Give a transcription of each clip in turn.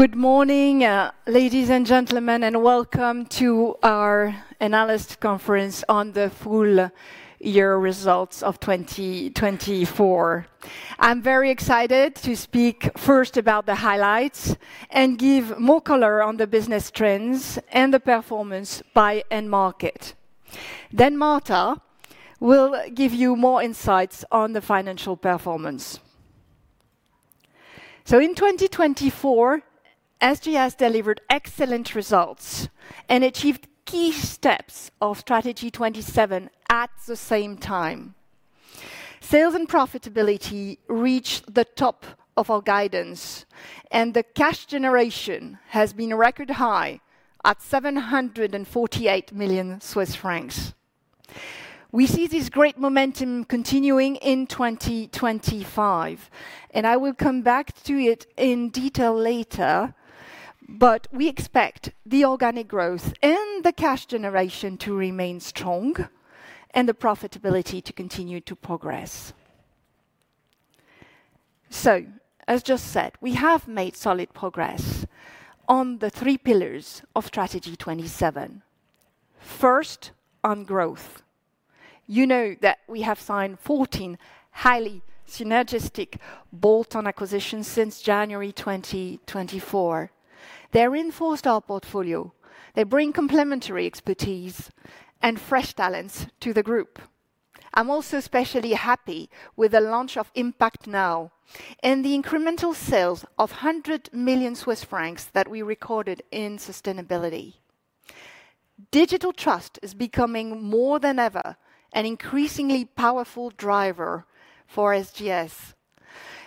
Good morning, ladies and gentlemen, and welcome to our analyst conference on the full-year results of 2024. I'm very excited to speak first about the highlights and give more color on the business trends and the performance by end market. Then Marta will give you more insights on the financial performance. So in 2024, SGS delivered excellent results and achieved key steps of Strategy 27 at the same time. Sales and profitability reached the top of our guidance, and the cash generation has been a record high at 748 million Swiss francs. We see this great momentum continuing in 2025, and I will come back to it in detail later, but we expect the organic growth and the cash generation to remain strong and the profitability to continue to progress. So, as just said, we have made solid progress on the three pillars of Strategy 27. First, on growth. You know that we have signed 14 highly synergistic bolt-on acquisitions since January 2024. They reinforced our portfolio. They bring complementary expertise and fresh talents to the group. I'm also especially happy with the launch IMPACT NOW and the incremental sales of 100 million Swiss francs that we recorded in sustainability. Digital trust is becoming more than ever an increasingly powerful driver for SGS,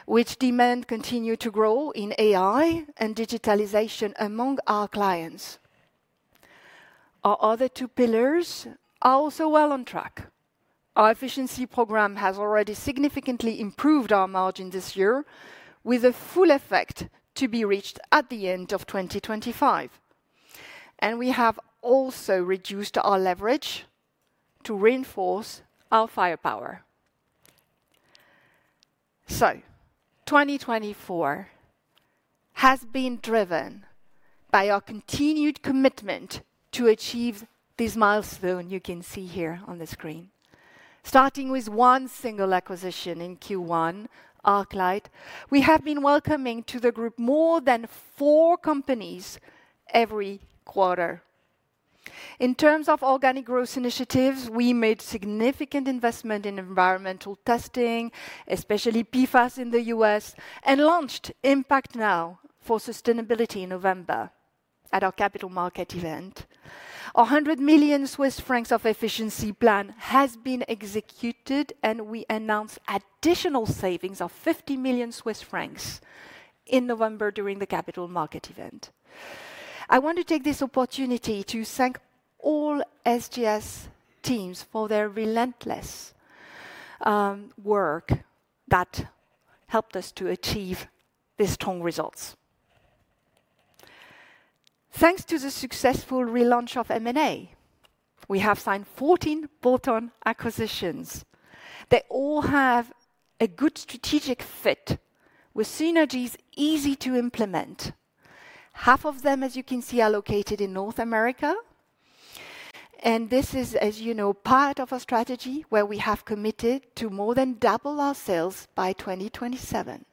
which demands continue to grow in AI and digitalization among our clients. Our other two pillars are also well on track. Our efficiency program has already significantly improved our margin this year, with a full effect to be reached at the end of 2025. And we have also reduced our leverage to reinforce our firepower. So, 2024 has been driven by our continued commitment to achieve this milestone you can see here on the screen. Starting with one single acquisition in Q1, Arclight, we have been welcoming to the group more than four companies every quarter. In terms of organic growth initiatives, we made significant investment in environmental testing, especially PFAS in the U.S., and launched IMPACT NOW for sustainability in November at our capital market event. Our 100 million Swiss francs efficiency plan has been executed, and we announced additional savings of 50 million Swiss francs in November during the capital market event. I want to take this opportunity to thank all SGS teams for their relentless work that helped us to achieve these strong results. Thanks to the successful relaunch of M&A, we have signed 14 bolt-on acquisitions. They all have a good strategic fit with synergies easy to implement. Half of them, as you can see, are located in North America. This is, as you know, part of our strategy where we have committed to more than double our sales by 2027.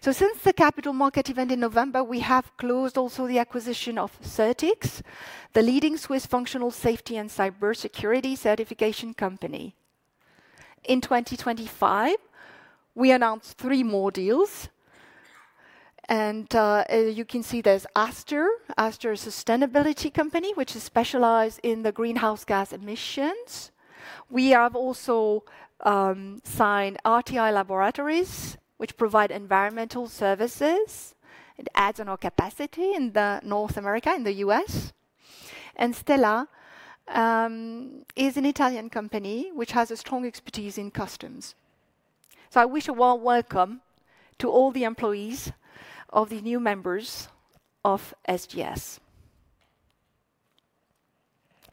Since the capital market event in November, we have closed also the acquisition of CertX, the leading Swiss functional safety and cybersecurity certification company. In 2025, we announced three more deals. You can see there's Aster. Aster is a sustainability company which is specialized in the greenhouse gas emissions. We have also signed RTI Laboratories, which provide environmental services and adds on our capacity in North America and the U.S. Stella is an Italian company which has a strong expertise in customs. I wish a warm welcome to all the employees of the new members of SGS.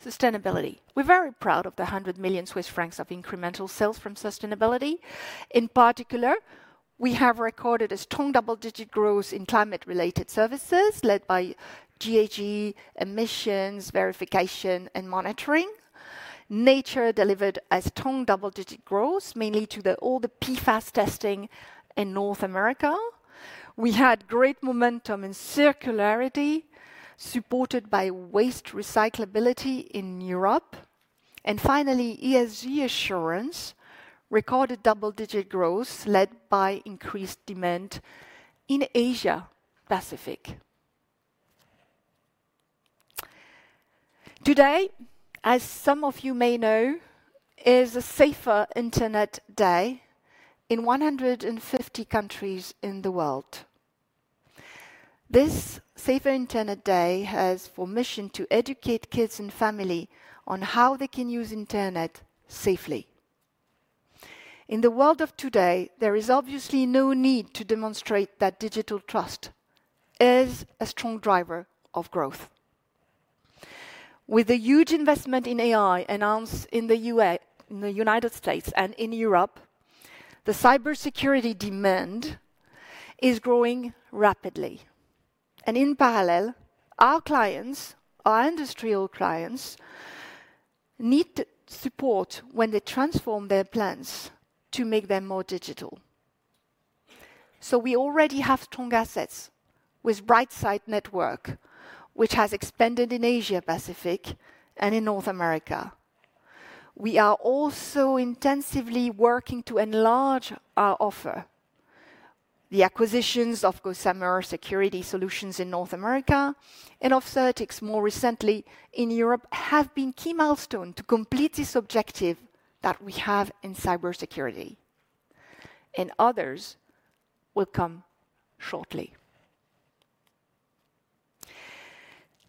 Sustainability. We're very proud of the 100 million Swiss francs of incremental sales from sustainability. In particular, we have recorded a strong double-digit growth in climate-related services led by GHG emissions verification and monitoring. Nature delivered a strong double-digit growth, mainly to all the PFAS testing in North America. We had great momentum in circularity, supported by waste recyclability in Europe. And finally, ESG assurance recorded double-digit growth led by increased demand in Asia-Pacific. Today, as some of you may know, is a Safer Internet Day in 150 countries in the world. This Safer Internet Day has for mission to educate kids and family on how they can use the internet safely. In the world of today, there is obviously no need to demonstrate that digital trust is a strong driver of growth. With the huge investment in AI announced in the U.S., in the United States, and in Europe, the cybersecurity demand is growing rapidly. In parallel, our clients, our industrial clients, need support when they transform their plans to make them more digital. We already have strong assets with Brightsight network, which has expanded in Asia-Pacific and in North America. We are also intensively working to enlarge our offer. The acquisitions of Gossamer Security Solutions in North America and of CertX more recently in Europe have been key milestones to complete this objective that we have in cybersecurity. Others will come shortly.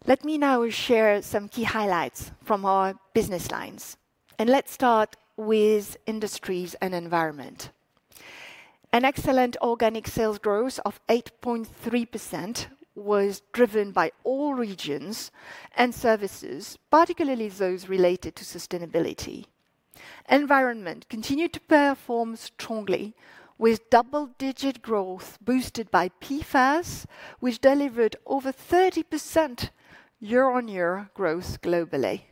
Let me now share some key highlights from our business lines. Let's start with industries and environment. An excellent organic sales growth of 8.3% was driven by all regions and services, particularly those related to sustainability. Environment continued to perform strongly with double-digit growth boosted by PFAS, which delivered over 30% year-on-year growth globally.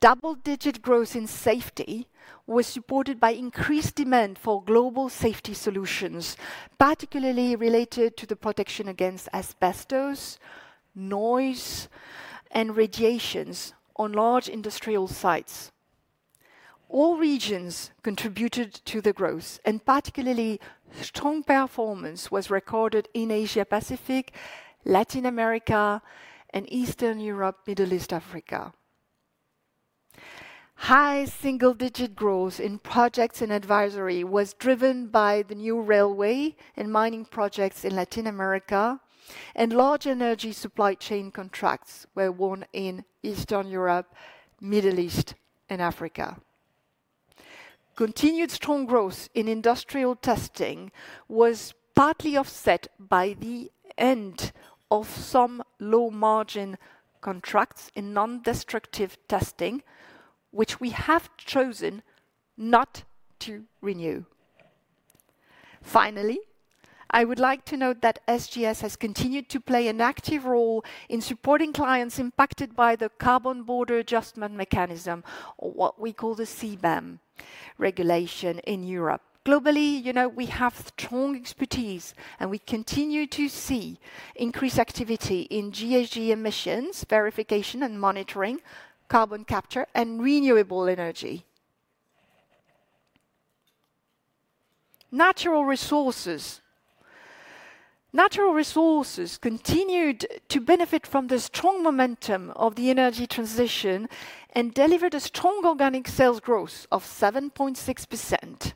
Double-digit growth in safety was supported by increased demand for global safety solutions, particularly related to the protection against asbestos, noise, and radiation on large industrial sites. All regions contributed to the growth, and particularly strong performance was recorded in Asia-Pacific, Latin America, and Eastern Europe, Middle East, Africa. High single-digit growth in projects and advisory was driven by the new railway and mining projects in Latin America, and large energy supply chain contracts were won in Eastern Europe, Middle East, and Africa. Continued strong growth in industrial testing was partly offset by the end of some low-margin contracts in non-destructive testing, which we have chosen not to renew. Finally, I would like to note that SGS has continued to play an active role in supporting clients impacted by the carbon border adjustment mechanism, or what we call the CBAM regulation in Europe. Globally, you know, we have strong expertise, and we continue to see increased activity in GHG emissions verification and monitoring, carbon capture, and renewable energy. Natural resources. Natural resources continued to benefit from the strong momentum of the energy transition and delivered a strong organic sales growth of 7.6%.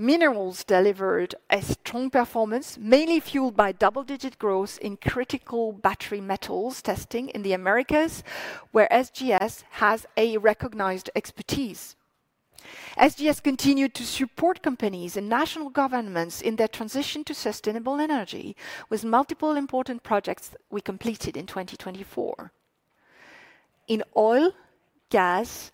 Minerals delivered a strong performance, mainly fueled by double-digit growth in critical battery metals testing in the Americas, where SGS has a recognized expertise. SGS continued to support companies and national governments in their transition to sustainable energy, with multiple important projects we completed in 2024. In oil, gas,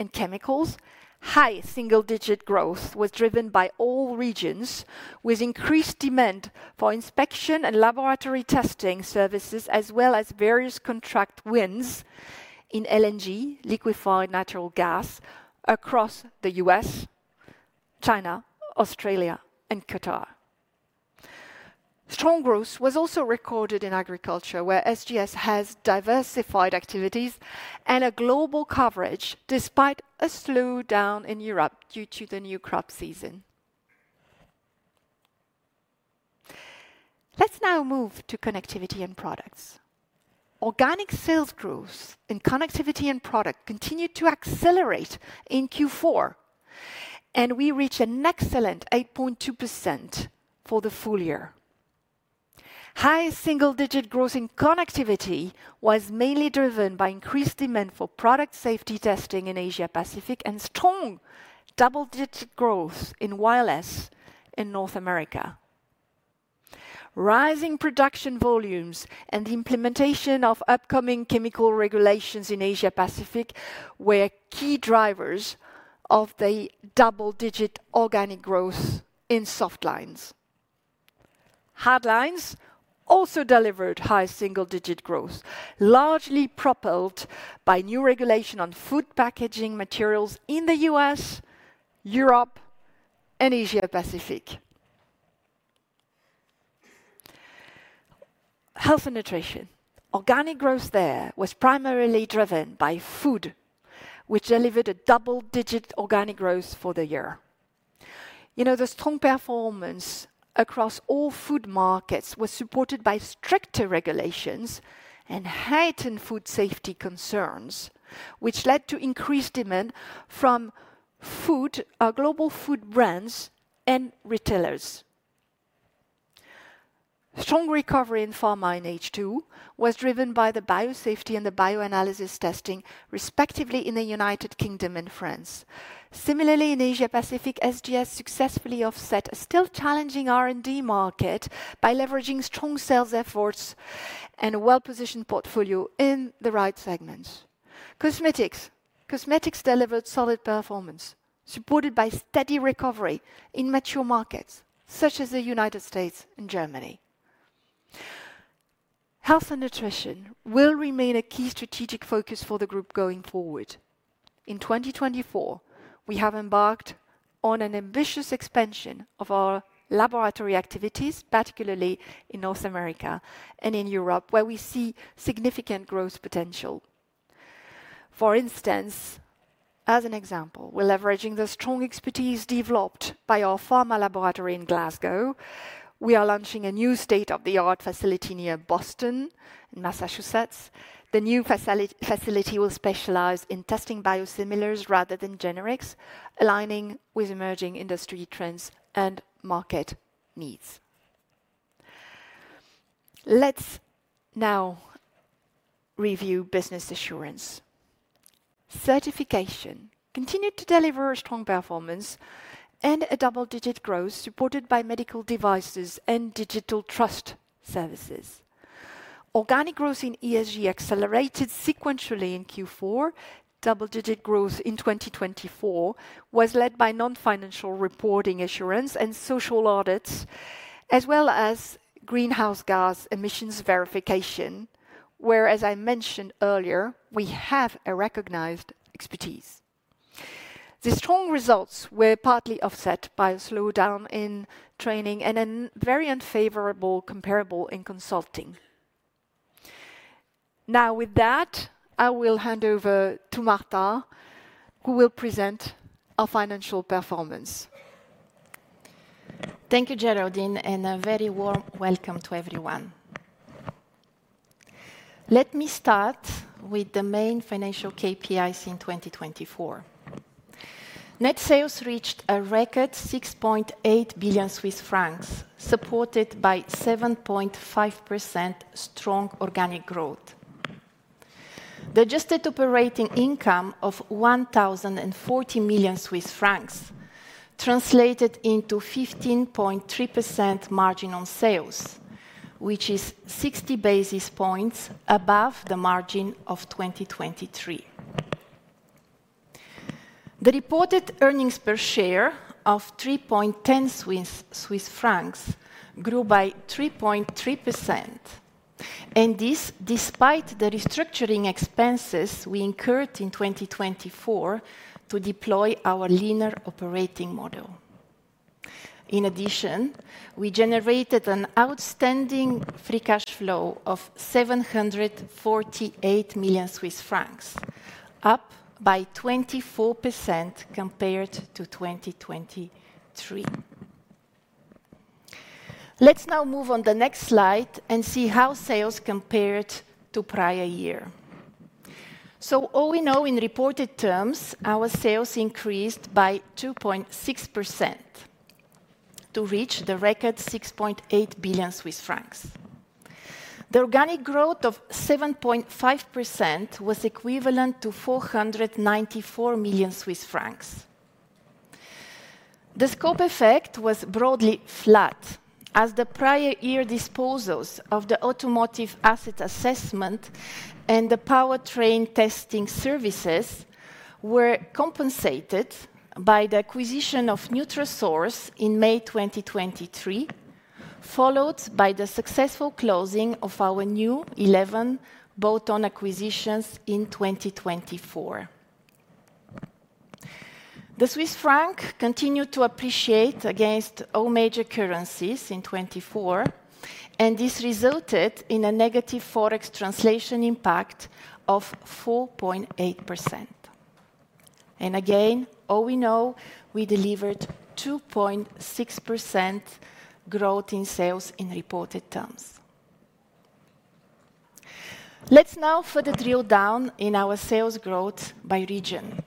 and chemicals, high single-digit growth was driven by all regions, with increased demand for inspection and laboratory testing services, as well as various contract wins in LNG, Liquefied Natural Gas, across the U.S., China, Australia, and Qatar. Strong growth was also recorded in agriculture, where SGS has diversified activities and a global coverage, despite a slowdown in Europe due to the new crop season. Let's now move to connectivity and products. Organic sales growth in connectivity and products continued to accelerate in Q4, and we reached an excellent 8.2% for the full year. High single-digit growth in connectivity was mainly driven by increased demand for product safety testing in Asia-Pacific and strong double-digit growth in wireless in North America. Rising production volumes and the implementation of upcoming chemical regulations in Asia-Pacific were key drivers of the double-digit organic growth in soft lines. Hard lines also delivered high single-digit growth, largely propelled by new regulation on food packaging materials in the U.S., Europe, and Asia-Pacific. Health and nutrition, organic growth there was primarily driven by food, which delivered a double-digit organic growth for the year. You know, the strong performance across all food markets was supported by stricter regulations and heightened food safety concerns, which led to increased demand from food, global food brands, and retailers. Strong recovery in pharma in H2 was driven by the biosafety and the bioanalysis testing, respectively in the United Kingdom and France. Similarly, in Asia-Pacific, SGS successfully offset a still challenging R&D market by leveraging strong sales efforts and a well-positioned portfolio in the right segments. Cosmetics delivered solid performance, supported by steady recovery in mature markets such as the United States and Germany. Health and nutrition will remain a key strategic focus for the group going forward. In 2024, we have embarked on an ambitious expansion of our laboratory activities, particularly in North America and in Europe, where we see significant growth potential. For instance, as an example, we're leveraging the strong expertise developed by our pharma laboratory in Glasgow. We are launching a new state-of-the-art facility near Boston in Massachusetts. The new facility will specialize in testing biosimilars rather than generics, aligning with emerging industry trends and market needs. Let's now review business assurance. Certification continued to deliver a strong performance and a double-digit growth supported by medical devices and digital trust services. Organic growth in ESG accelerated sequentially in Q4. Double-digit growth in 2024 was led by non-financial reporting assurance and social audits, as well as greenhouse gas emissions verification, where, as I mentioned earlier, we have a recognized expertise. The strong results were partly offset by a slowdown in training and a very unfavorable comparable in consulting. Now, with that, I will hand over to Marta, who will present our financial performance. Thank you, Géraldine, and a very warm welcome to everyone. Let me start with the main financial KPIs in 2024. Net sales reached a record 6.8 billion Swiss francs, supported by 7.5% strong organic growth. The adjusted operating income of 1,040 million Swiss francs translated into 15.3% margin on sales, which is 60 basis points above the margin of 2023. The reported earnings per share of 3.10 Swiss francs grew by 3.3%, and this despite the restructuring expenses we incurred in 2024 to deploy our leaner operating model. In addition, we generated an outstanding free cash flow of 748 million Swiss francs, up by 24% compared to 2023. Let's now move on the next slide and see how sales compared to prior year. So, all we know in reported terms, our sales increased by 2.6% to reach the record 6.8 billion Swiss francs. The organic growth of 7.5% was equivalent to 494 million Swiss francs. The scope effect was broadly flat, as the prior year disposals of the automotive asset assessment and the powertrain testing services were compensated by the acquisition of Nutrasource in May 2023, followed by the successful closing of our new 11 bolt-on acquisitions in 2024. The Swiss Franc continued to appreciate against all major currencies in 2024, and this resulted in a negative Forex translation impact of 4.8%. And again, as we know, we delivered 2.6% growth in sales in reported terms. Let's now further drill down in our sales growth by region.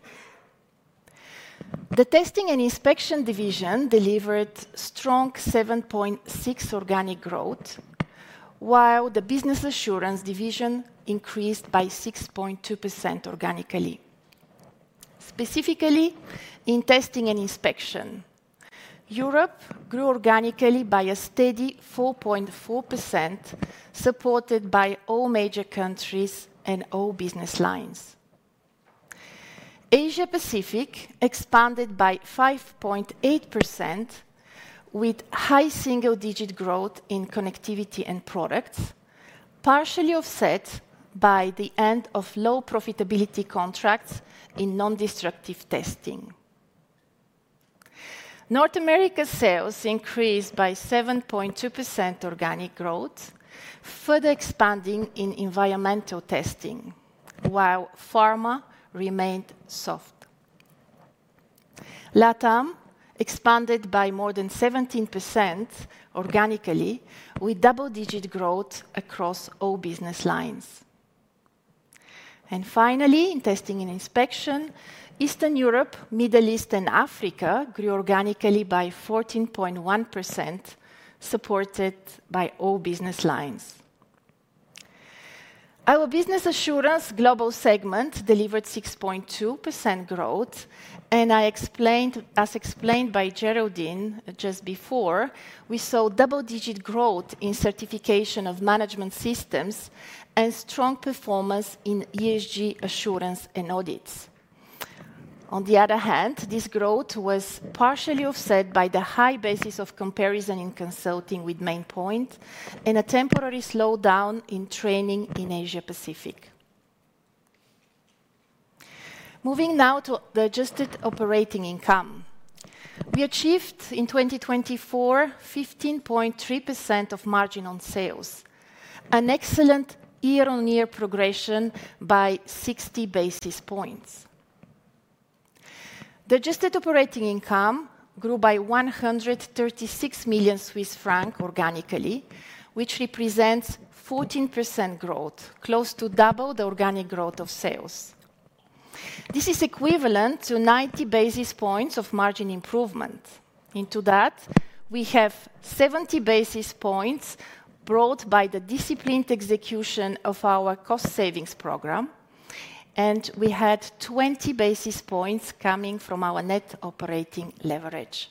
The testing and inspection division delivered strong 7.6% organic growth, while the business assurance division increased by 6.2% organically. Specifically, in testing and inspection, Europe grew organically by a steady 4.4%, supported by all major countries and all business lines. Asia-Pacific expanded by 5.8%, with high single-digit growth in connectivity and products, partially offset by the end of low profitability contracts in non-destructive testing. North America's sales increased by 7.2% organic growth, further expanding in environmental testing, while pharma remained soft. LATAM expanded by more than 17% organically, with double-digit growth across all business lines, and finally, in testing and inspection, Eastern Europe, Middle East, and Africa grew organically by 14.1%, supported by all business lines. Our business assurance global segment delivered 6.2% growth, and as explained by Géraldine just before, we saw double-digit growth in certification of management systems and strong performance in ESG assurance and audits. On the other hand, this growth was partially offset by the high basis of comparison in consulting with Maine Pointe and a temporary slowdown in training in Asia-Pacific. Moving now to the adjusted operating income, we achieved in 2024 15.3% of margin on sales, an excellent year-on-year progression by 60 basis points. The adjusted operating income grew by 136 million Swiss francs organically, which represents 14% growth, close to double the organic growth of sales. This is equivalent to 90 basis points of margin improvement. Into that, we have 70 basis points brought by the disciplined execution of our cost savings program, and we had 20 basis points coming from our net operating leverage.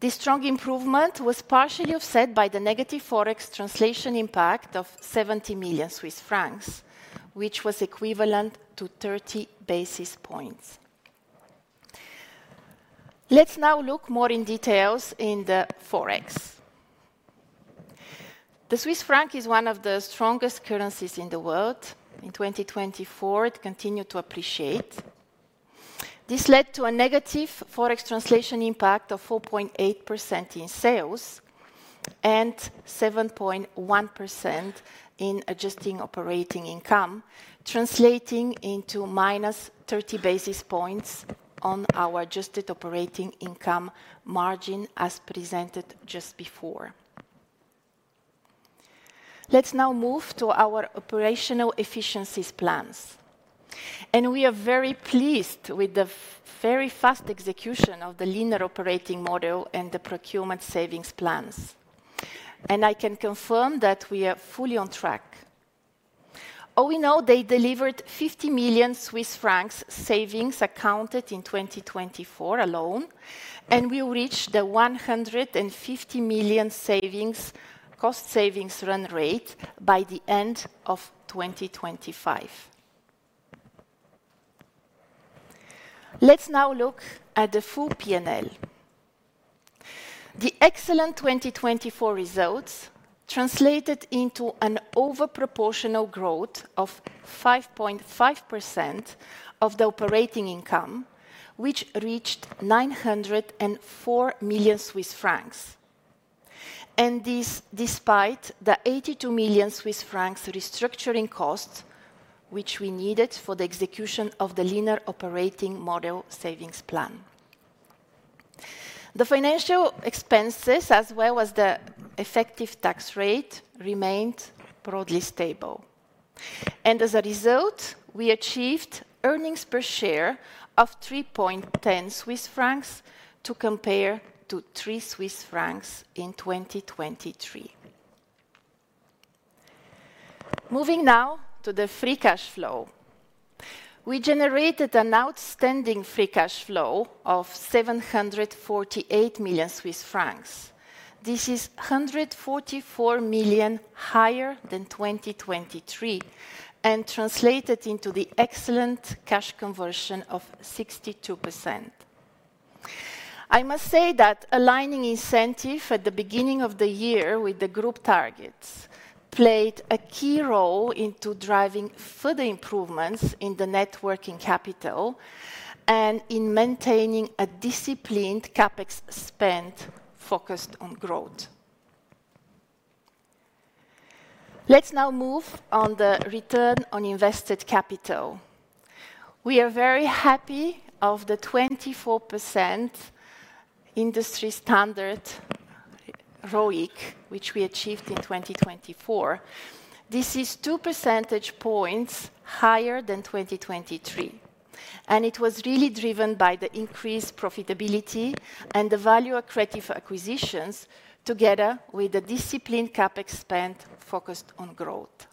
This strong improvement was partially offset by the negative Forex translation impact of 70 million Swiss francs, which was equivalent to 30 basis points. Let's now look more in details in the Forex. The Swiss Franc is one of the strongest currencies in the world. In 2024, it continued to appreciate. This led to a negative Forex translation impact of 4.8% in sales and 7.1% in Adjusted Operating Income, translating into -30 basis points on our adjusted operating income margin, as presented just before. Let's now move to our operational efficiencies plans, and we are very pleased with the very fast execution of the leaner operating model and the procurement savings plans, and I can confirm that we are fully on track. As we know, they delivered 50 million Swiss francs savings accounted in 2024 alone, and we will reach the 150 million cost savings run rate by the end of 2025. Let's now look at the full P&L. The excellent 2024 results translated into an overproportional growth of 5.5% of the operating income, which reached 904 million Swiss francs, and this despite the 82 million Swiss francs restructuring costs, which we needed for the execution of the leaner operating model savings plan. The financial expenses, as well as the effective tax rate, remained broadly stable, and as a result, we achieved earnings per share of 3.10 Swiss francs to compare to 3 Swiss francs in 2023. Moving now to the free cash flow, we generated an outstanding free cash flow of 748 million Swiss francs. This is 144 million higher than 2023 and translated into the excellent cash conversion of 62%. I must say that aligning incentives at the beginning of the year with the group targets played a key role in driving further improvements in the net working capital and in maintaining a disciplined CapEx spend focused on growth. Let's now move on to the return on invested capital. We are very happy of the 24% industry standard ROIC, which we achieved in 2024. This is 2 percentage points higher than 2023, and it was really driven by the increased profitability and the value-accretive acquisitions together with the disciplined CapEx spend focused on growth.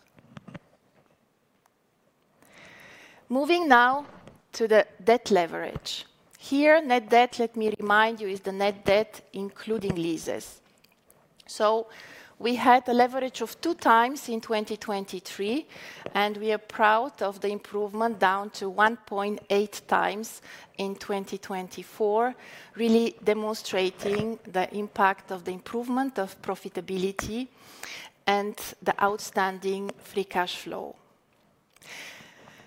Moving now to the debt leverage. Here, net debt, let me remind you, is the net debt including leases. So we had a leverage of 2x in 2023, and we are proud of the improvement down to 1.8x in 2024, really demonstrating the impact of the improvement of profitability and the outstanding free cash flow.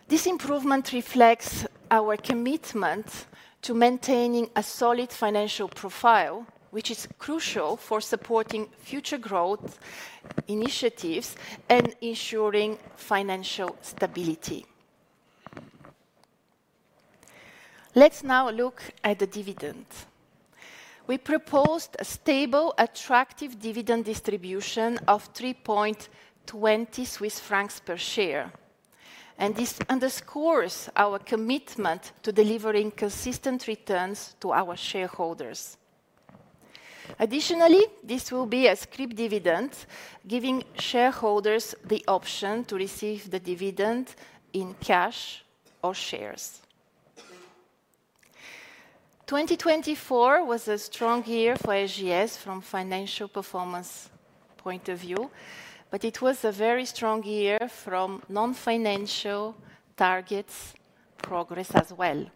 This improvement reflects our commitment to maintaining a solid financial profile, which is crucial for supporting future growth initiatives and ensuring financial stability. Let's now look at the dividend. We proposed a stable, attractive dividend distribution of 3.20 Swiss francs per share, and this underscores our commitment to delivering consistent returns to our shareholders. Additionally, this will be an SGS dividend, giving shareholders the option to receive the dividend in cash or shares. 2024 was a strong year for SGS from a financial performance point of view, but it was a very strong year from non-financial targets progress as well.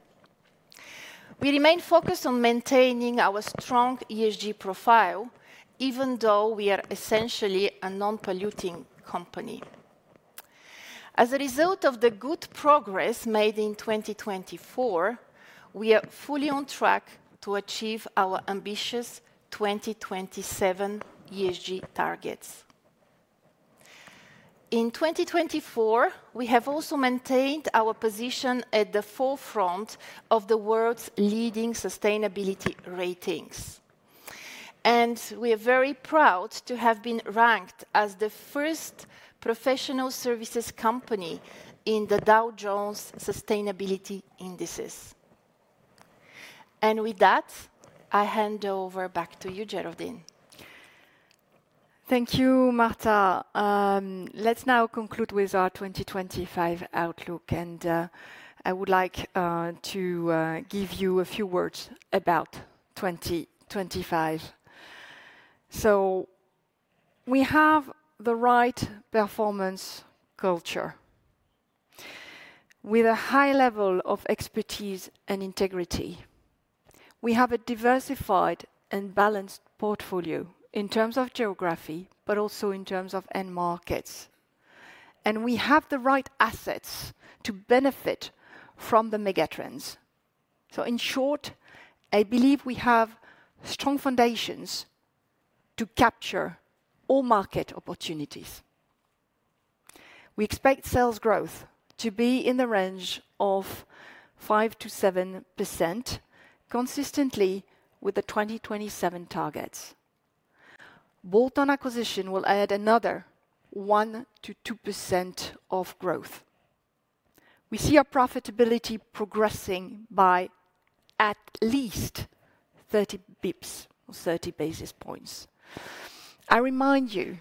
We remain focused on maintaining our strong ESG profile, even though we are essentially a non-polluting company. As a result of the good progress made in 2024, we are fully on track to achieve our ambitious 2027 ESG targets. In 2024, we have also maintained our position at the forefront of the world's leading sustainability ratings, and we are very proud to have been ranked as the first professional services company in the Dow Jones Sustainability Indices, and with that, I hand over back to you, Géraldine. Thank you, Marta. Let's now conclude with our 2025 outlook, and I would like to give you a few words about 2025, so we have the right performance culture with a high level of expertise and integrity. We have a diversified and balanced portfolio in terms of geography, but also in terms of end markets, and we have the right assets to benefit from the megatrends, so in short, I believe we have strong foundations to capture all market opportunities. We expect sales growth to be in the range of 5% to 7%, consistently with the 2027 targets. Bolt-on acquisition will add another 1% to 2% of growth. We see our profitability progressing by at least 30 basis points or 30 basis points. I remind you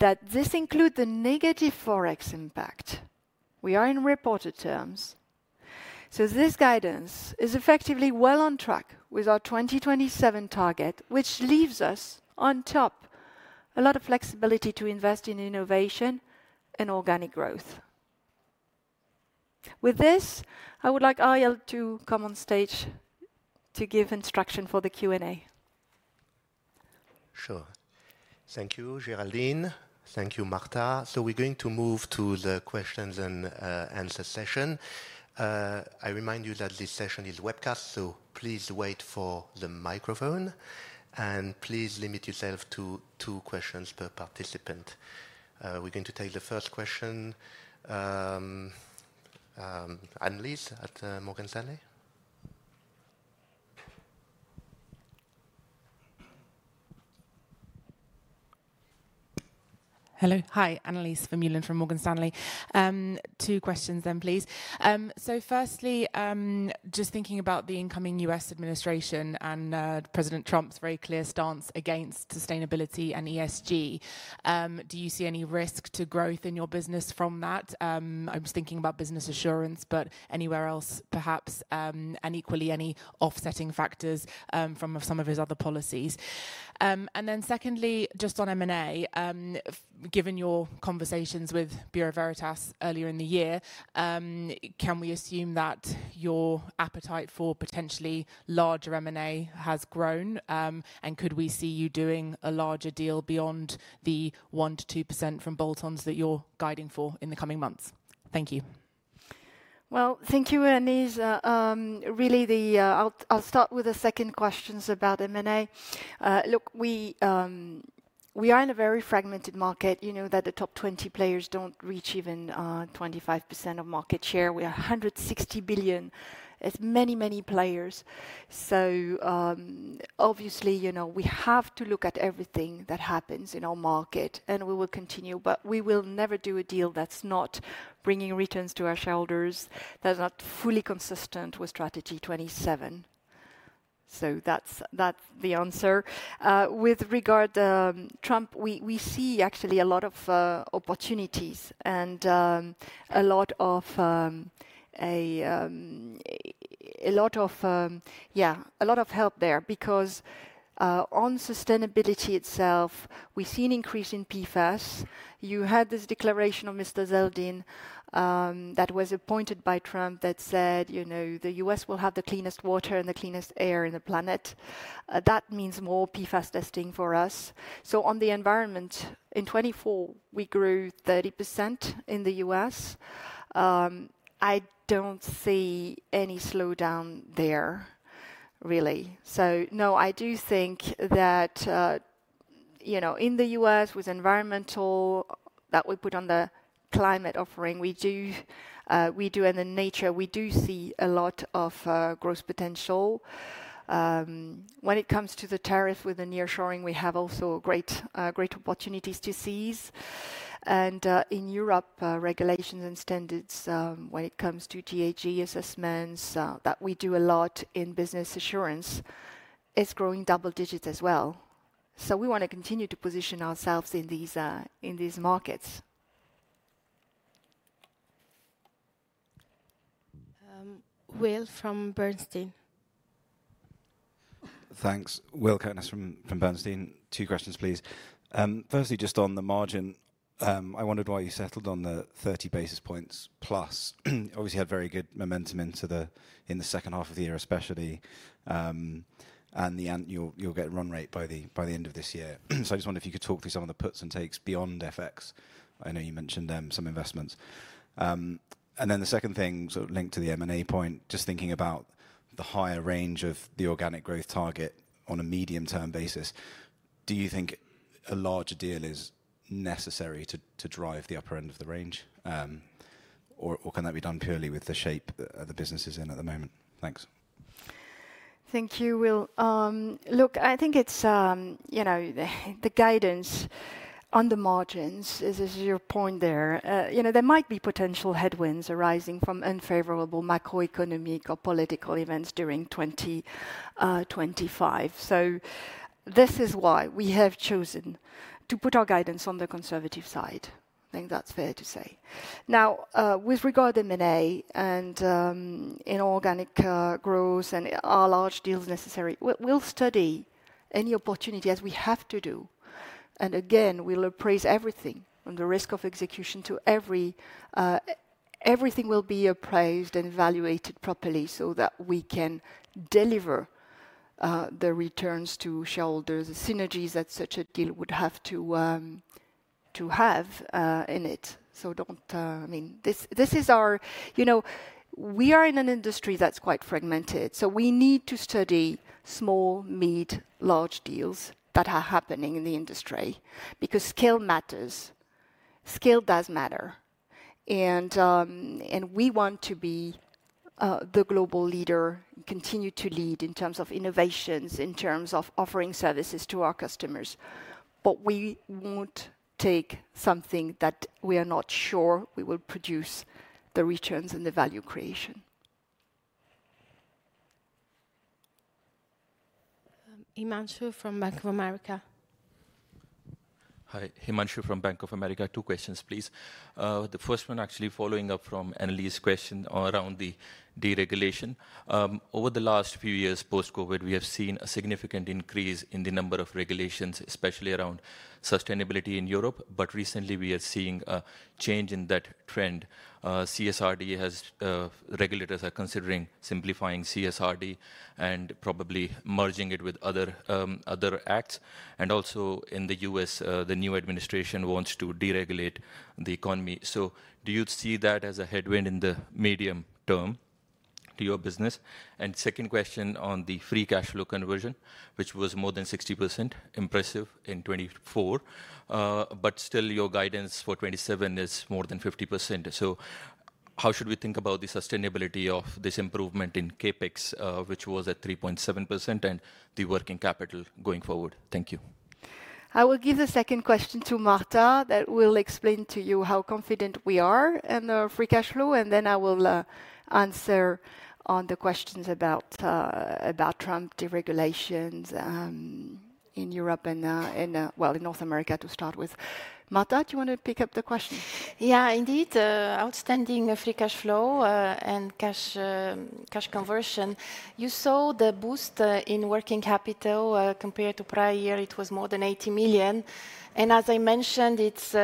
that this includes the negative Forex impact. We are in reported terms, so this guidance is effectively well on track with our 2027 target, which leaves us on top a lot of flexibility to invest in innovation and organic growth. With this, I would like Ariel to come on stage to give instruction for the Q&A. Sure. Thank you, Géraldine. Thank you, Marta. So we're going to move to the questions and answer session. I remind you that this session is webcast, so please wait for the microphone, and please limit yourself to two questions per participant. We're going to take the first question, Annelies from Morgan Stanley. Hello. Hi, Annelies Vermeulen from Morgan Stanley. Two questions then, please. So firstly, just thinking about the incoming U.S. administration and President Trump's very clear stance against sustainability and ESG, do you see any risk to growth in your business from that? I was thinking about business assurance, but anywhere else perhaps, and equally any offsetting factors from some of his other policies. And then secondly, just on M&A, given your conversations with Bureau Veritas earlier in the year, can we assume that your appetite for potentially larger M&A has grown, and could we see you doing a larger deal beyond the 1% to 2% from bolt-ons that you're guiding for in the coming months? Thank you. Well, thank you, Annelies. Really, I'll start with the second question about M&A. Look, we are in a very fragmented market. You know that the top 20 players don't reach even 25% of market share. We are 160 billion. It's many, many players. So obviously, you know we have to look at everything that happens in our market, and we will continue, but we will never do a deal that's not bringing returns to our shoulders, that's not fully consistent with Strategy 27. So that's the answer. With regard to Trump, we see actually a lot of opportunities and a lot of, yeah, a lot of help there because on sustainability itself, we've seen an increase in PFAS. You had this declaration of Mr. Zeldin that was appointed by Trump that said, you know, the U.S. will have the cleanest water and the cleanest air on the planet. That means more PFAS testing for us. So on the environment, in 2024, we grew 30% in the U.S. I don't see any slowdown there, really. So no, I do think that, you know, in the U.S. with environmental that we put on the climate offering, we do, and in North America, we do see a lot of growth potential. When it comes to the tariff with the nearshoring, we have also great opportunities to seize. And in Europe, regulations and standards when it comes to GHG assessments that we do a lot in business assurance, it's growing double-digits as well. So we want to continue to position ourselves in these markets. Will from Bernstein. Thanks. Will Kirkness from Bernstein. Two questions, please. Firstly, just on the margin, I wondered why you settled on the 30 basis points plus. Obviously, you had very good momentum into the second half of the year, especially, and you'll get a run rate by the end of this year. So I just wondered if you could talk through some of the puts and takes beyond FX. I know you mentioned some investments. And then the second thing, sort of linked to the M&A point, just thinking about the higher range of the organic growth target on a medium-term basis, do you think a larger deal is necessary to drive the upper end of the range, or can that be done purely with the shape the business is in at the moment? Thanks. Thank you, Will. Look, I think it's, you know, the guidance on the margins, as is your point there, you know, there might be potential headwinds arising from unfavorable macroeconomic or political events during 2025. So this is why we have chosen to put our guidance on the conservative side. I think that's fair to say. Now, with regard to M&A and inorganic growth and our large deals necessary, we'll study any opportunity as we have to do. And again, we'll appraise everything from the risk of execution to everything will be appraised and evaluated properly so that we can deliver the returns to shareholders, the synergies that such a deal would have to have in it. So don't, I mean, this is our, you know, we are in an industry that's quite fragmented, so we need to study small, mid, large deals that are happening in the industry because scale matters. Scale does matter. We want to be the global leader and continue to lead in terms of innovations, in terms of offering services to our customers, but we won't take something that we are not sure we will produce the returns and the value creation. Himanshu from Bank of America. Hi, Himanshu from Bank of America. Two questions, please. The first one, actually following up from Annelies question around the deregulation. Over the last few years post-COVID, we have seen a significant increase in the number of regulations, especially around sustainability in Europe, but recently we are seeing a change in that trend. CSRD. As regulators are considering simplifying CSRD and probably merging it with other acts. And also in the U.S., the new administration wants to deregulate the economy. So do you see that as a headwind in the medium term to your business? And second question on the free cash flow conversion, which was more than 60%, impressive in 2024, but still your guidance for 2027 is more than 50%. So how should we think about the sustainability of this improvement in CapEx, which was at 3.7%, and the working capital going forward? Thank you. I will give the second question to Marta that will explain to you how confident we are in the free cash flow, and then I will answer on the questions about Trump deregulations in Europe and, well, in North America to start with. Marta, do you want to pick up the question? Yeah, indeed. Outstanding free cash flow and cash conversion. You saw the boost in working capital compared to prior year. It was more than 80 million. And as I mentioned, it is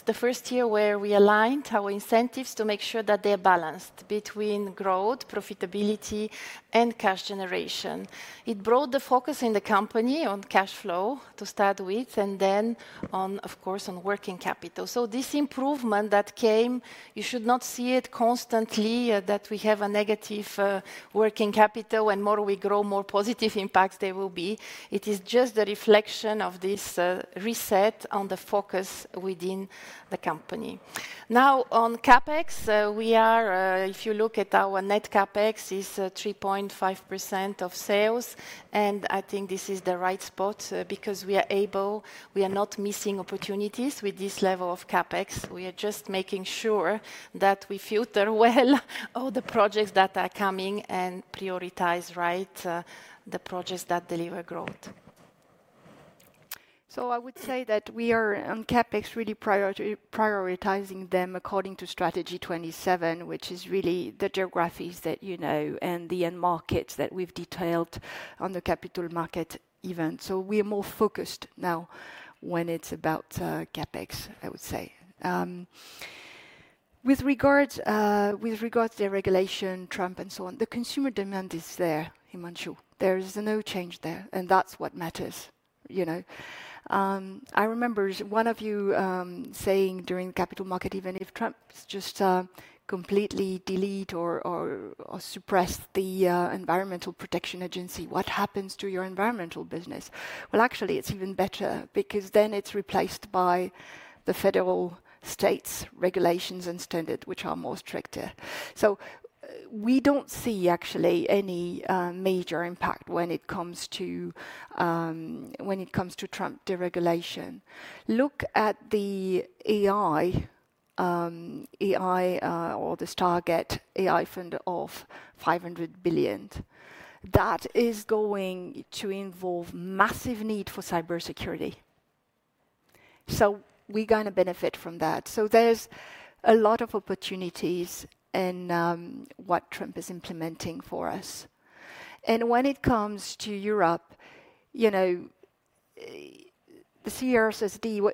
the first year where we aligned our incentives to make sure that they are balanced between growth, profitability, and cash generation. It brought the focus in the company on cash flow to start with, and then on, of course, on working capital. So this improvement that came, you should not see it constantly that we have a negative working capital. The more we grow, more positive impacts there will be. It is just the reflection of this reset on the focus within the company. Now, on CapEx, we are, if you look at our net CapEx, it's 3.5% of sales, and I think this is the right spot because we are able, we are not missing opportunities with this level of CapEx. We are just making sure that we filter well all the projects that are coming and prioritize right the projects that deliver growth. I would say that we are on CapEx really prioritizing them according to Strategy 27, which is really the geographies that you know and the end markets that we've detailed on the capital market event. We are more focused now when it's about CapEx, I would say. With regards to deregulation, Trump and so on, the consumer demand is there, Himanshu. There is no change there, and that's what matters. You know, I remember one of you saying during the capital market, even if Trump just completely delete or suppress the Environmental Protection Agency, what happens to your environmental business? Well, actually, it's even better because then it's replaced by the federal state's regulations and standards, which are more stricter. So we don't see actually any major impact when it comes to Trump deregulation. Look at the IRA, IRA or the target IRA fund of $500 billion. That is going to involve massive need for cybersecurity. So we're going to benefit from that. So there's a lot of opportunities in what Trump is implementing for us. And when it comes to Europe, you know, the CSRD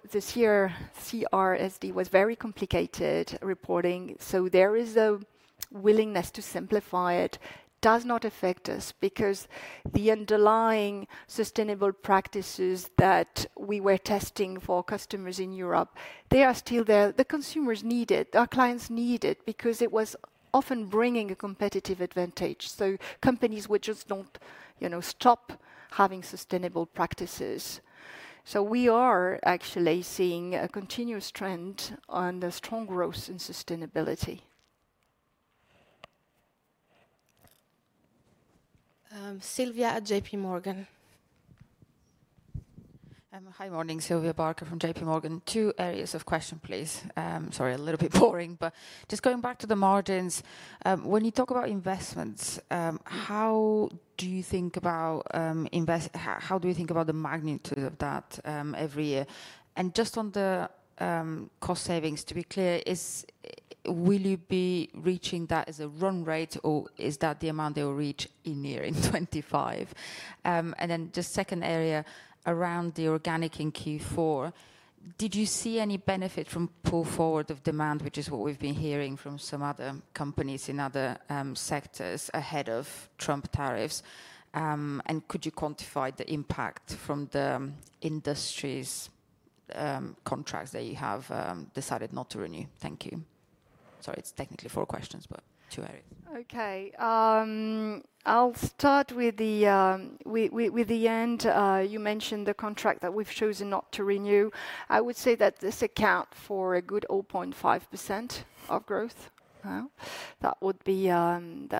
was very complicated reporting, so there is a willingness to simplify it. It does not affect us because the underlying sustainable practices that we were testing for customers in Europe, they are still there. The consumers need it. Our clients need it because it was often bringing a competitive advantage. So companies would just not, you know, stop having sustainable practices. So we are actually seeing a continuous trend on the strong growth in sustainability. Sylvia at J.P. Morgan. Hi, morning, Sylvia Barker from J.P. Morgan. Two areas of question, please. Sorry, a little bit boring, but just going back to the margins, when you talk about investments, how do you think about, how do you think about the magnitude of that every year? And just on the cost savings, to be clear, will you be reaching that as a run rate or is that the amount they will reach in year in 2025? And then just the second area around the organic in Q4, did you see any benefit from pull forward of demand, which is what we've been hearing from some other companies in other sectors ahead of Trump tariffs? And could you quantify the impact from the industries' contracts that you have decided not to renew? Thank you. Sorry, it's technically four questions, but two areas. Okay. I'll start with the end. You mentioned the contract that we've chosen not to renew. I would say that this accounts for a good 0.5% of growth. That would be the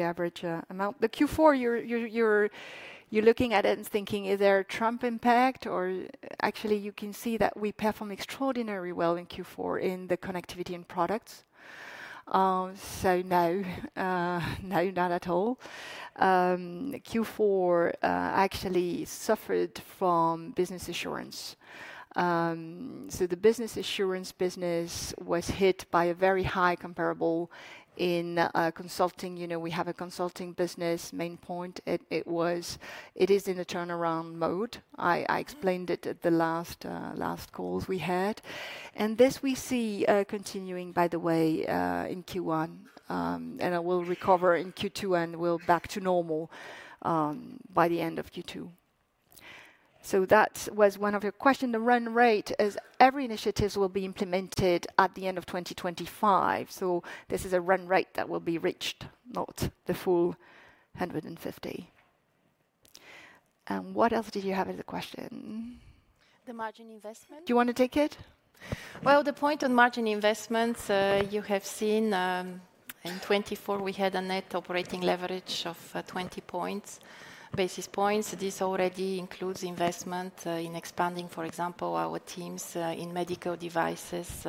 average amount. The Q4, you're looking at it and thinking, is there a Trump impact? Or actually, you can see that we perform extraordinarily well in Q4 in the Connectivity and Products. So no, no, not at all. Q4 actually suffered from Business Assurance. So the business assurance business was hit by a very high comparable in consulting. You know, we have a consulting business, Maine Pointe. It is in a turnaround mode. I explained it at the last calls we had. And this we see continuing, by the way, in Q1. And it will recover in Q2 and we'll be back to normal by the end of Q2. So that was one of your questions. The run rate is every initiative will be implemented at the end of 2025. So this is a run rate that will be reached, not the full 150. And what else did you have as a question? The margin investment? Do you want to take it? Well, the point on margin investments, you have seen in 2024, we had a net operating leverage of 20 basis points. This already includes investment in expanding, for example, our teams in medical devices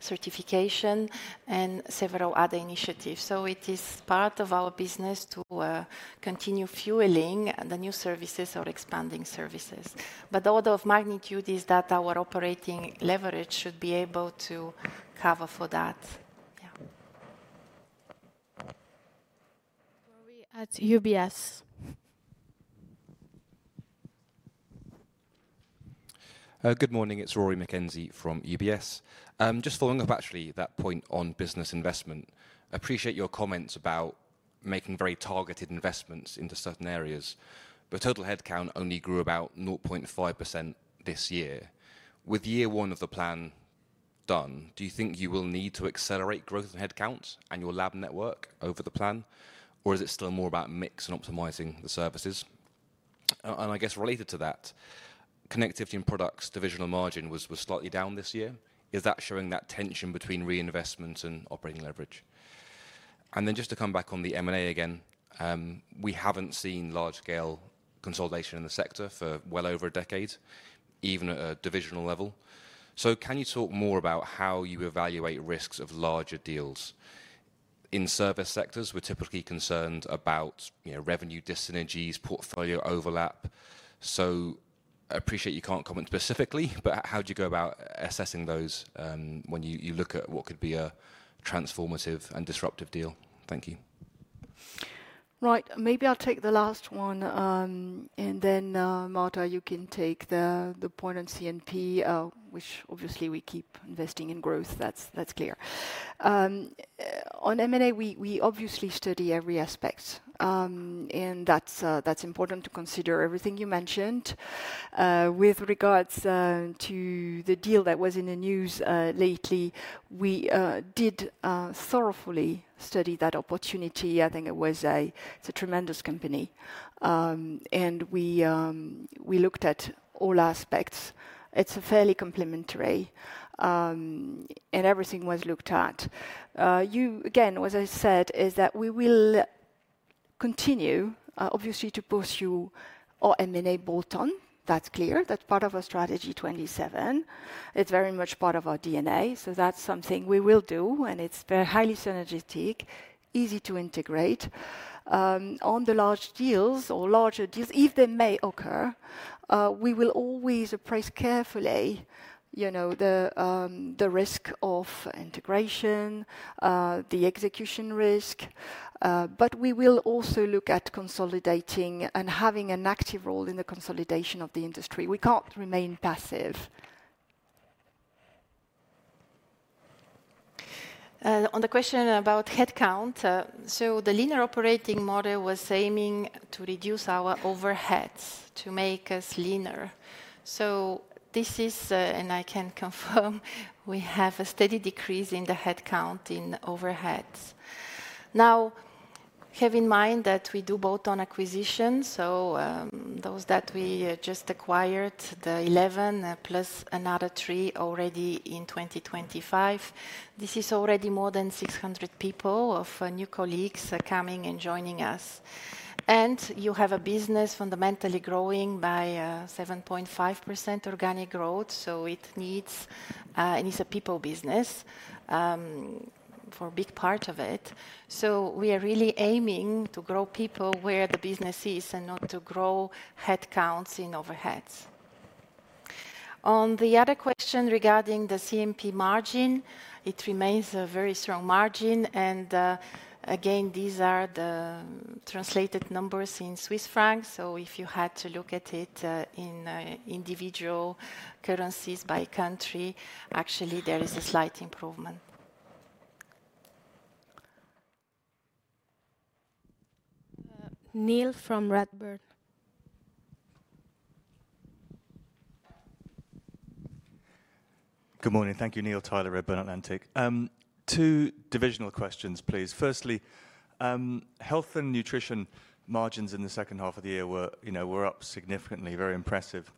certification and several other initiatives. So it is part of our business to continue fueling the new services or expanding services. But the order of magnitude is that our operating leverage should be able to cover for that. Yeah. Rory at UBS. Good morning, it's Rory McKenzie from UBS. Just following up actually that point on business investment, I appreciate your comments about making very targeted investments into certain areas, but total headcount only grew about 1.5% this year. With year one of the plan done, do you think you will need to accelerate growth in headcount and your lab network over the plan, or is it still more about mix and optimizing the services? And related to that, connectivity and products' divisional margin was slightly down this year. Is that showing that tension between reinvestment and operating leverage? And then just to come back on the M&A again, we haven't seen large-scale consolidation in the sector for well over a decade, even at a divisional level. So can you talk more about how you evaluate risks of larger deals? In service sectors, we're typically concerned about revenue dyssynergies, portfolio overlap. So I appreciate you can't comment specifically, but how do you go about assessing those when you look at what could be a transformative and disruptive deal? Thank you. Right, maybe I'll take the last one. And then Marta, you can take the point on CNP, which obviously we keep investing in growth. That's clear. On M&A, we obviously study every aspect, and that's important to consider everything you mentioned. With regards to the deal that was in the news lately, we did thoroughly study that opportunity. I think it was a tremendous company, and we looked at all aspects. It's a fairly complementary, and everything was looked at. You, again, as I said, is that we will continue obviously to pursue our M&A bolt-on. That's clear. That's part of our Strategy 27. It's very much part of our DNA. So that's something we will do, and it's very highly synergetic, easy to integrate. On the large deals or larger deals, if they may occur, we will always appraise carefully, you know, the risk of integration, the execution risk, but we will also look at consolidating and having an active role in the consolidation of the industry. We can't remain passive. On the question about headcount, so the leaner operating model was aiming to reduce our overheads to make us leaner. So this is, and I can confirm, we have a steady decrease in the headcount in overheads. Now, have in mind that we do bolt-on acquisitions. So those that we just acquired, the 11 plus another 3 already in 2025, this is already more than 600 people of new colleagues coming and joining us. And you have a business fundamentally growing by 7.5% organic growth. So it needs, and it is a people business for a big part of it. So we are really aiming to grow people where the business is and not to grow headcounts in overheads. On the other question regarding the CNP margin, it remains a very strong margin. And again, these are the translated numbers in Swiss Francs. So if you had to look at it in individual currencies by country, actually there is a slight improvement. Neil from Redburn Atlantic. Good morning. Thank you, Neil Tyler, Redburn Atlantic. Two divisional questions, please. Firstly, health and nutrition margins in the second half of the year were up significantly, very impressive.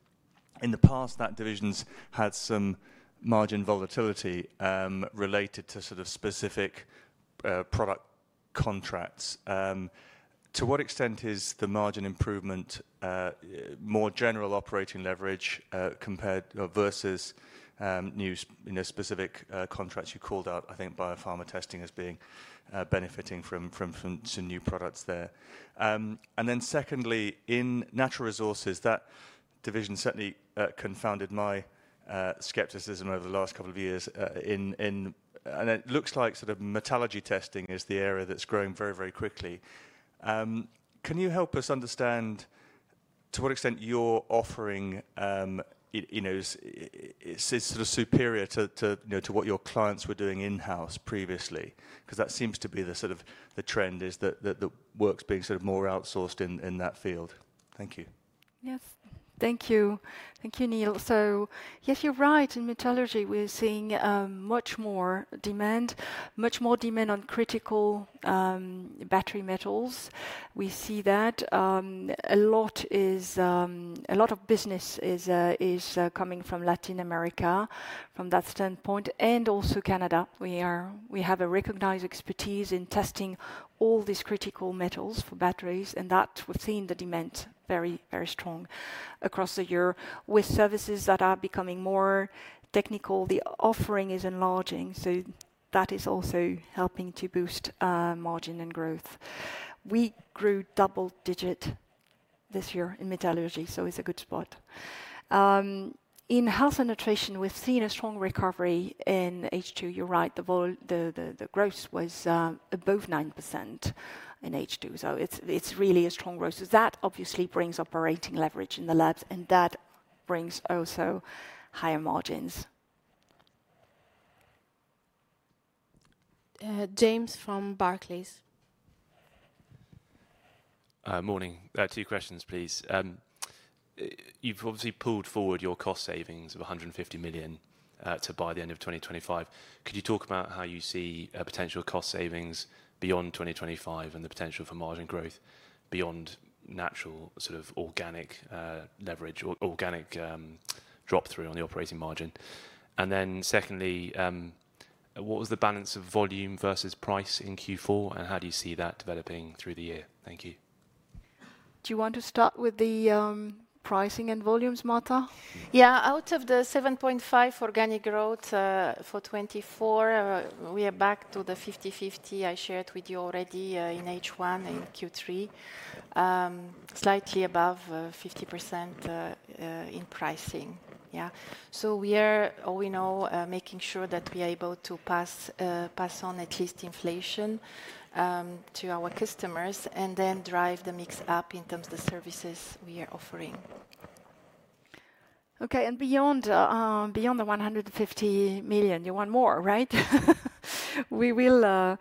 In the past, that division's had some margin volatility related to sort of specific product contracts. To what extent is the margin improvement more general operating leverage versus new specific contracts you called out, I think, biopharma testing as being benefiting from some new products there? And then secondly, in natural resources, that division certainly confounded my skepticism over the last couple of years. And it looks like sort of metallurgy testing is the area that's growing very, very quickly. Can you help us understand to what extent your offering is sort of superior to what your clients were doing in-house previously? Because that seems to be the sort of the trend is that the work's being sort of more outsourced in that field. Thank you. Yes, thank you. Thank you, Neil. So yes, you're right. In metallurgy, we're seeing much more demand, much more demand on critical battery metals. We see that a lot of business is coming from Latin America from that standpoint and also Canada. We have a recognized expertise in testing all these critical metals for batteries, and that we've seen the demand very, very strong across the year with services that are becoming more technical. The offering is enlarging, so that is also helping to boost margin and growth. We grew double digit this year in metallurgy, so it's a good spot. In health and nutrition, we've seen a strong recovery in H2. You're right, the growth was above 9% in H2. So it's really a strong growth. So that obviously brings operating leverage in the labs, and that brings also higher margins. James from Barclays. Morning. Two questions, please. You've obviously pulled forward your cost savings of 150 million by the end of 2025. Could you talk about how you see potential cost savings beyond 2025 and the potential for margin growth beyond natural sort of organic leverage or organic drop-through on the operating margin? And then secondly, what was the balance of volume versus price in Q4, and how do you see that developing through the year? Thank you. Do you want to start with the pricing and volumes, Marta? Yeah, out of the 7.5 organic growth for 2024, we are back to the 50-50 I shared with you already in H1 and Q3, slightly above 50% in pricing. Yeah, so we are, as we know, making sure that we are able to pass on at least inflation to our customers and then drive the mix up in terms of the services we are offering. Okay, and beyond the 150 million, you want more, right? We will,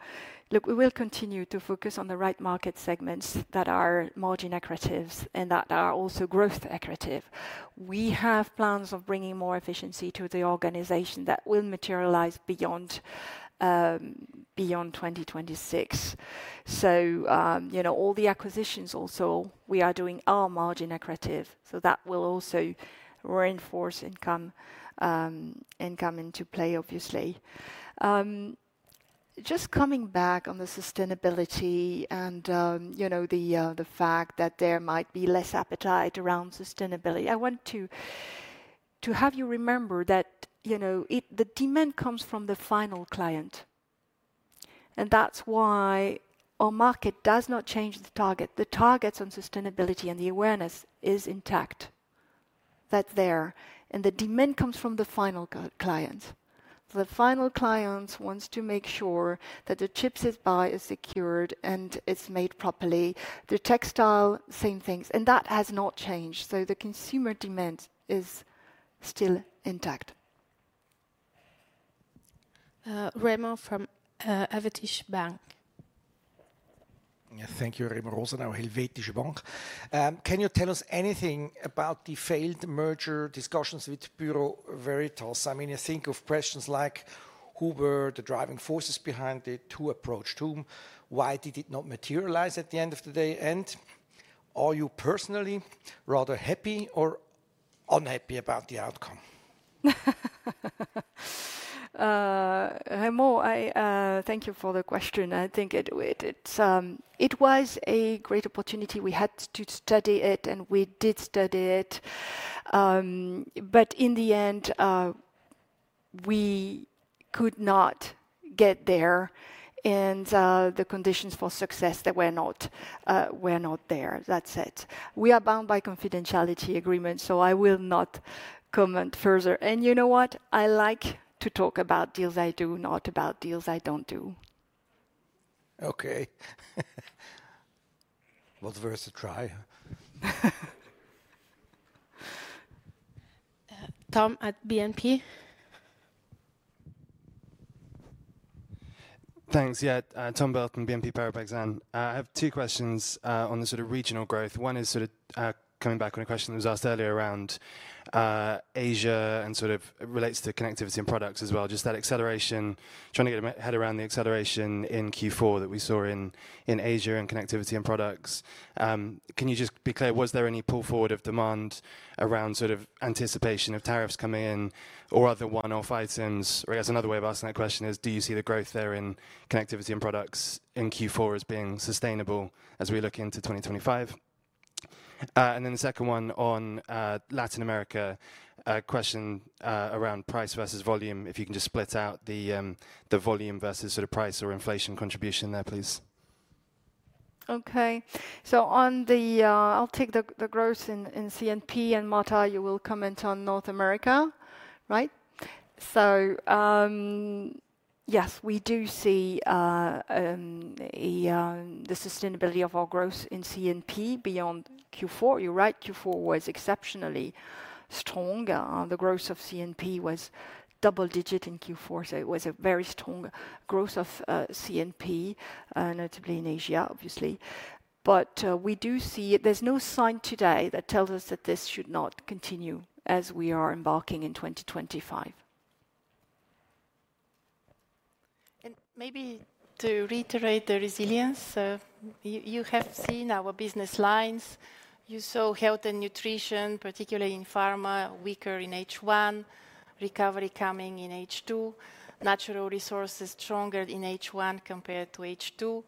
look, we will continue to focus on the right market segments that are margin-accretives and that are also growth-accretive. We have plans of bringing more efficiency to the organization that will materialize beyond 2026. So all the acquisitions also, we are doing are margin-accretive. So that will also reinforce income into play, obviously. Just coming back on the sustainability and the fact that there might be less appetite around sustainability, I want to have you remember that the demand comes from the final client, and that's why our market does not change the target. The targets on sustainability and the awareness is intact. That's there, and the demand comes from the final client. The final client wants to make sure that the chips it buys are secured and it's made properly. The textile, same things, and that has not changed. So the consumer demand is still intact. Remo from Helvetische Bank. Yeah, thank you, Remo Rosenau, Helvetische Bank. Can you tell us anything about the failed merger discussions with Bureau Veritas? I mean, I think of questions like who were the driving forces behind it, who approached whom, why did it not materialize at the end of the day, and are you personally rather happy or unhappy about the outcome? Remo, thank you for the question. I think it was a great opportunity. We had to study it, and we did study it, but in the end, we could not get there. The conditions for success, they were not there. That's it. We are bound by confidentiality agreements, so I will not comment further. You know what? I like to talk about deals I do, not about deals I don't do. Okay. It's worth a try. Tom at BNP. Thanks. Yeah, Tom Burlton, BNP Paribas Exane. I have two questions on the sort of regional growth. One is sort of coming back on a question that was asked earlier around Asia and sort of relates to connectivity and products as well. Just that acceleration, trying to get a head around the acceleration in Q4 that we saw in Asia and connectivity and products. Can you just be clear, was there any pull forward of demand around sort of anticipation of tariffs coming in or other one-off items? Or another way of asking that question is, do you see the growth there in connectivity and products in Q4 as being sustainable as we look into 2025? And then the second one on Latin America, a question around price versus volume, if you can just split out the volume versus sort of price or inflation contribution there, please. Okay, so on the, I'll take the growth in CNP and Marta, you will comment on North America, right? So yes, we do see the sustainability of our growth in CNP beyond Q4. You're right, Q4 was exceptionally strong. The growth of CNP was double-digit in Q4. So it was a very strong growth of CNP, notably in Asia, obviously. But we do see it, there's no sign today that tells us that this should not continue as we are embarking in 2025. Maybe to reiterate the resilience, you have seen our business lines. You saw health and nutrition, particularly in pharma, weaker in H1, recovery coming in H2, natural resources stronger in H1 compared to H2,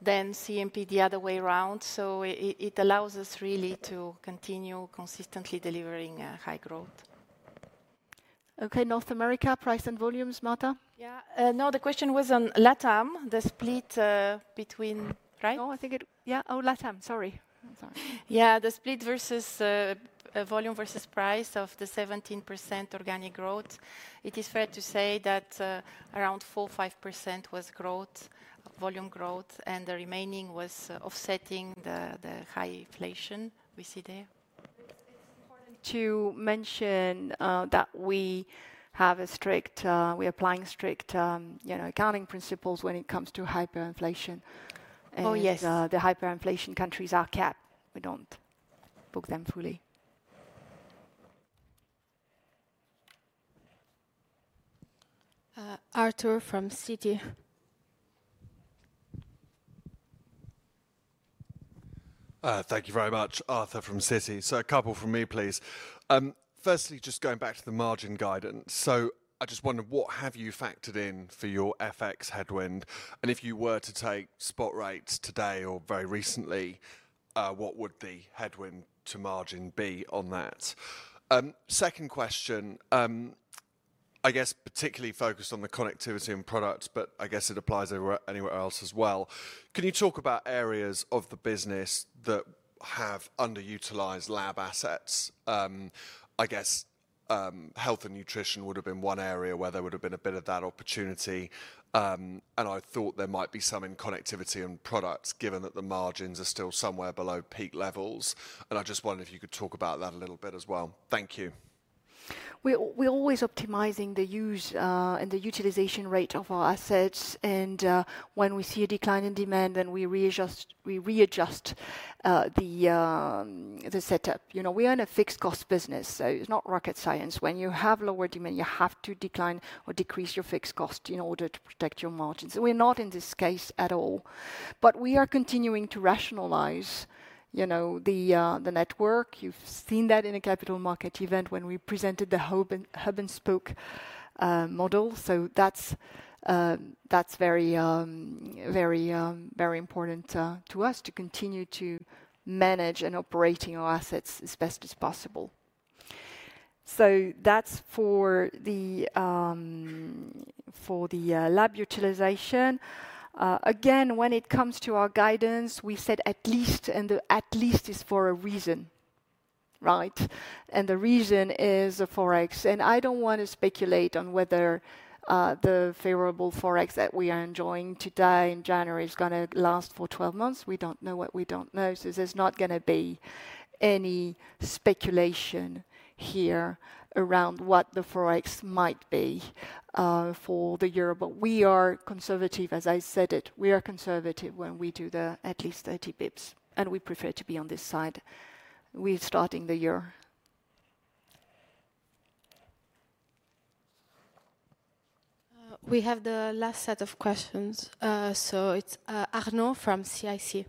then CNP the other way around. It allows us really to continue consistently delivering high growth. Okay, North America, price and volumes, Marta? Yeah, no, the question was on LATAM, the split between, right? No, I think it, yeah, oh, LATAM, sorry. Yeah, the split versus volume versus price of the 17% organic growth. It is fair to say that around 4%-5% was volume growth, and the remaining was offsetting the high inflation we see there. It is important to mention that we have a strict, we are applying strict accounting principles when it comes to hyperinflation. The hyperinflation countries are capped. We do not book them fully. Arthur from Citi. Thank you very much, Arthur from Citi. So a couple from me, please. Firstly, just going back to the margin guidance. So I just wondered, what have you factored in for your FX headwind? And if you were to take spot rates today or very recently, what would the headwind to margin be on that? Second question, I guess particularly focused on the connectivity and products, but I guess it applies anywhere else as well. Can you talk about areas of the business that have underutilized lab assets? I guess health and nutrition would have been one area where there would have been a bit of that opportunity. And I thought there might be some in connectivity and products given that the margins are still somewhere below peak levels. And I just wondered if you could talk about that a little bit as well. Thank you. We're always optimizing the use and the utilization rate of our assets, and when we see a decline in demand, then we readjust the setup. We are in a fixed cost business, so it's not rocket science. When you have lower demand, you have to decline or decrease your fixed cost in order to protect your margins, so we're not in this case at all, but we are continuing to rationalize the network. You've seen that in a capital market event when we presented the hub-and-spoke model, so that's very important to us to continue to manage and operate in our assets as best as possible, so that's for the lab utilization. Again, when it comes to our guidance, we said at least, and at least is for a reason, right, and the reason is the Forex. I don't want to speculate on whether the favorable Forex that we are enjoying today in January is going to last for 12 months. We don't know what we don't know. So there's not going to be any speculation here around what the Forex might be for the year. But we are conservative, as I said it, we are conservative when we do the at least 30 basis points. And we prefer to be on this side. We're starting the year. We have the last set of questions. So it's Arnaud from CIC.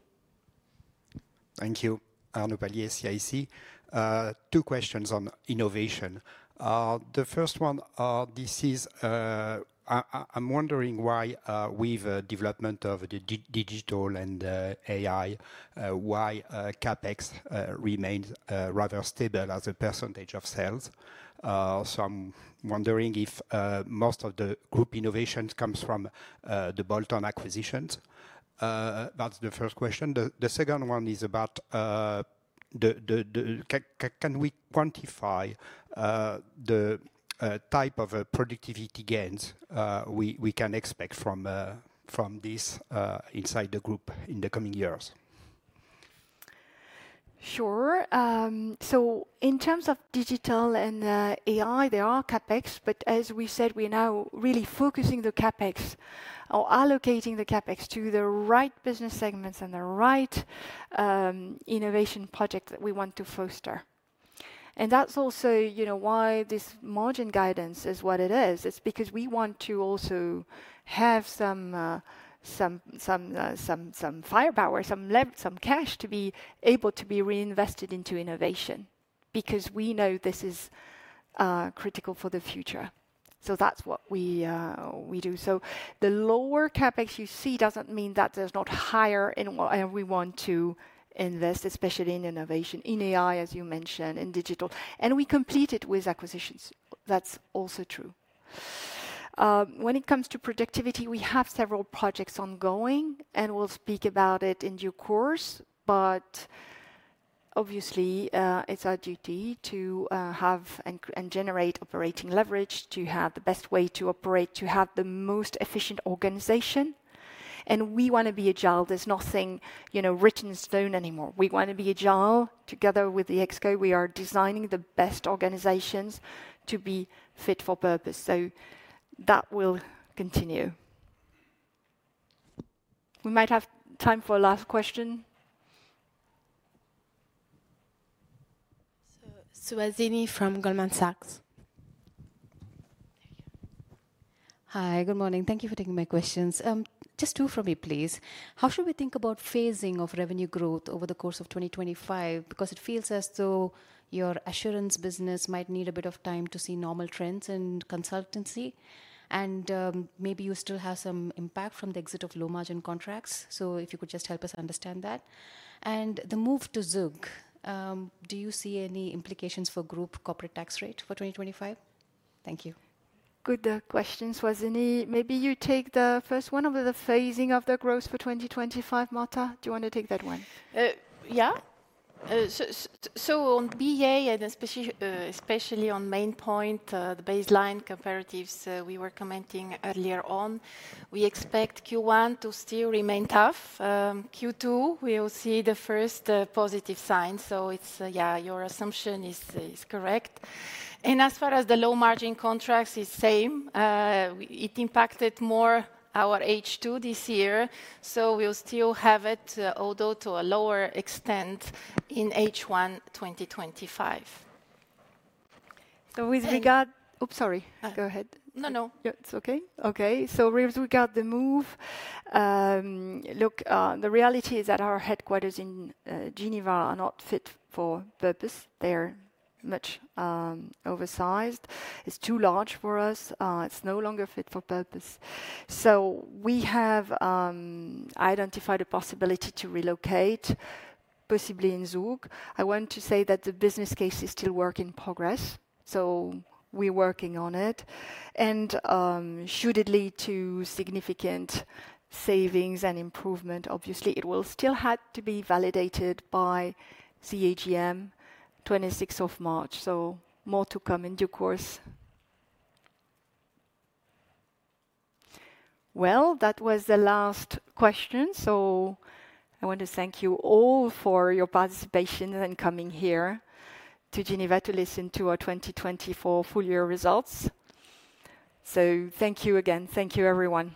Thank you. Arnaud Palliez, CIC. Two questions on innovation. The first one, this is, I'm wondering why with the development of the digital and AI, why CapEx remains rather stable as a percentage of sales. So I'm wondering if most of the group innovations come from the bolt-on acquisitions. That's the first question. The second one is about, can we quantify the type of productivity gains we can expect from this inside the group in the coming years? Sure, so in terms of digital and AI, there are CapEx, but as we said, we're now really focusing the CapEx or allocating the CapEx to the right business segments and the right innovation projects that we want to foster, and that's also why this margin guidance is what it is. It's because we want to also have some firepower, some cash to be able to be reinvested into innovation because we know this is critical for the future, so that's what we do, so the lower CapEx you see doesn't mean that there's not higher in whatever we want to invest, especially in innovation, in AI, as you mentioned, in digital, and we complete it with acquisitions. That's also true. When it comes to productivity, we have several projects ongoing, and we'll speak about it in due course. But obviously, it's our duty to have and generate operating leverage to have the best way to operate, to have the most efficient organization. And we want to be agile. There's nothing written in stone anymore. We want to be agile. Together with the ExCo, we are designing the best organizations to be fit for purpose. So that will continue. We might have time for a last question. Suhasini from Goldman Sachs. Hi, good morning. Thank you for taking my questions. Just two from me, please. How should we think about phasing of revenue growth over the course of 2025? Because it feels as though your assurance business might need a bit of time to see normal trends in consultancy. And maybe you still have some impact from the exit of low-margin contracts. So if you could just help us understand that. And the move to Zug, do you see any implications for group corporate tax rate for 2025? Thank you. Good questions, Suhasini. Maybe you take the first one over the phasing of the growth for 2025, Marta. Do you want to take that one? Yeah. So on BA, and especially on Maine Pointe, the baseline comparatives we were commenting earlier on, we expect Q1 to still remain tough. Q2, we will see the first positive signs. So yeah, your assumption is correct. And as far as the low-margin contracts is same. It impacted more our H2 this year. So we'll still have it, although to a lower extent in H1 2025. So with regard, oops, sorry, go ahead. No, no. It's okay. Okay, so with regard the move, look, the reality is that our headquarters in Geneva are not fit for purpose. They're much oversized. It's too large for us. It's no longer fit for purpose. So we have identified a possibility to relocate, possibly in Zug. I want to say that the business case is still work in progress. So we're working on it. And should it lead to significant savings and improvement, obviously, it will still have to be validated by the AGM 26th of March. So more to come in due course. Well, that was the last question. So I want to thank you all for your participation and coming here to Geneva to listen to our 2024 full-year results. So thank you again. Thank you, everyone.